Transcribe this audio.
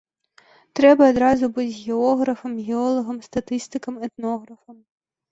Трэба адразу быць географам, геолагам, статыстыкам, этнографам!